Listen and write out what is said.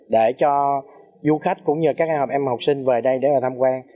để cho du khách cũng như các em học sinh về đây để mà tham quan